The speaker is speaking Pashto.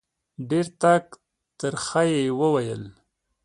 ډېر ټک ترخه یې وویل